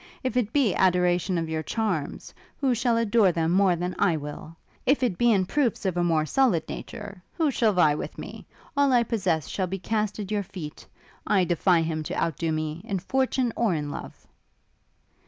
If it be adoration of your charms, who shall adore them more than I will? If it be in proofs of a more solid nature, who shall vie with me? All I possess shall be cast at your feet. I defy him to out do me, in fortune or in love.'